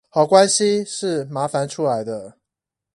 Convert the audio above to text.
好關係是麻煩出來的